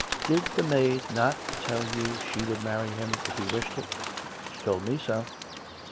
" Did the maid not tell you she would marry him, if he wished it.'' She told me so."